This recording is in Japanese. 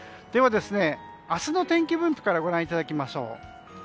では、明日の天気分布からご覧いただきましょう。